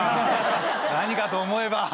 何かと思えば。